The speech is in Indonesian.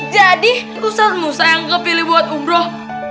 jadi ustadz musa yang kepilih buat umroh